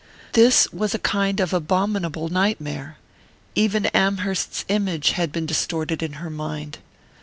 This was a kind of abominable nightmare even Amherst's image had been distorted in her mind!